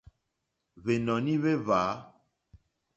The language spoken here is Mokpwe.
Hwènɔ̀ní hwé hwǎ.